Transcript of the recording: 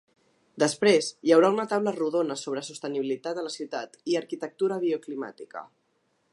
Després, hi haurà una taula rodona sobre sostenibilitat a la ciutat i arquitectura bioclimàtica.